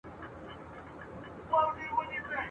د څرمنو بد بویي ورته راتلله !.